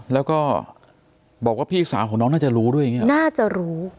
แล้วก็บอกว่าพี่สาวของน้องน่าจะรู้ด้วยอย่างนี้น่าจะรู้